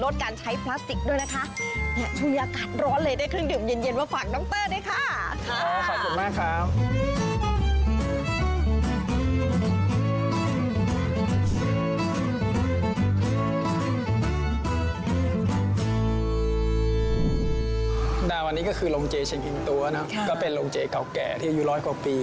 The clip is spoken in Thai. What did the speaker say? ดาร์วันนี้ก็คือโรงเจชนิงตัวนะครับครับก็เป็นโรงเจเก่าแก่ที่ยูร้อยกว่าปี